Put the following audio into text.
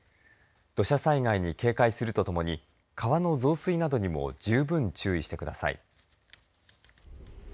土砂災害に警戒するとともに川の増水などにも十分、注意してください。